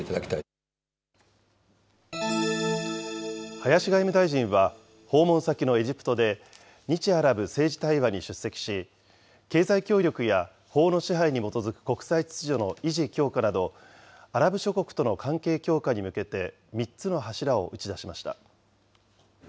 林外務大臣は、訪問先のエジプトで、日アラブ政治対話に出席し、経済協力や法の支配に基づく国際秩序の維持・強化など、アラブ諸国との関係強化に向けて、３つの柱を打ち出しました。